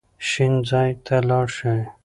شین ځای ته لاړ شئ.